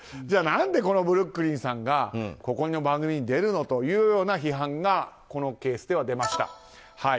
じゃあ何でこのブルックリンさんがこの番組に出るのという批判がこのケースでは出ました。